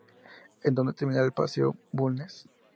Es donde termina el paseo Bulnes.